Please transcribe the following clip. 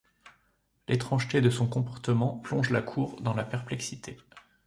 L'étrangeté de son comportement plonge la cour dans la perplexité.